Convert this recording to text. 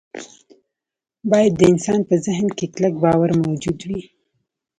باید د انسان په ذهن کې کلک باور موجود وي